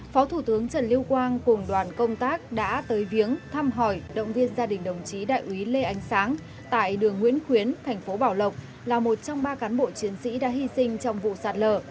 phó thủ tướng trần lưu quang cùng đoàn công tác đã tới viếng thăm hỏi động viên gia đình đồng chí đại úy lê ánh sáng tại đường nguyễn khuyến thành phố bảo lộc là một trong ba cán bộ chiến sĩ đã hy sinh trong vụ sạt lở